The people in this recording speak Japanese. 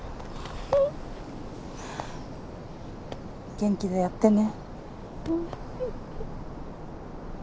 元気でやってね。